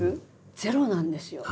ゼロなんですよ。